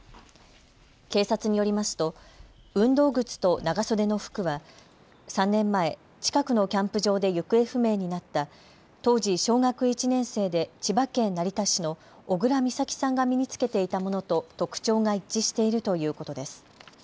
警察によりますと運動靴と長袖の服は３年前、近くのキャンプ場で行方不明になった当時、小学１年生で千葉県成田市の小倉美咲さんが身に着けていたものと特徴が一致しているということです。